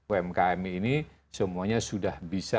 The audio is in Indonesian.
lima ratus dua umkm ini semuanya sudah bisa